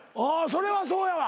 それはそうやわ。